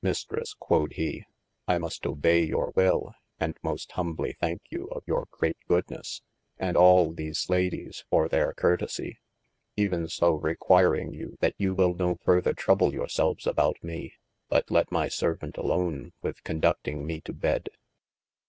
Mistresse (quod hee) I must obeye your wil, and most humbly thanke you of your great goodnesse, and all these Ladies for their curtesie. Even so requiring you that you wyll no further trouble your selves about mee, but let my Servaunt aloane with conducting mee to bed.